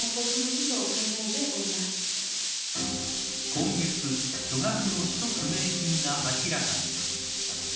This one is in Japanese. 今月巨額の使途不明金が明らかに。